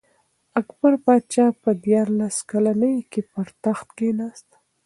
اکبر پاچا په دیارلس کلنۍ کي پر تخت کښېناست.